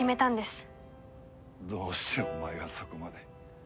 どうしてお前がそこまで。